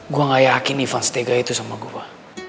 gue nggak yakin ivan setegah itu sama gue